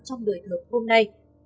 trong đời thường hôm nay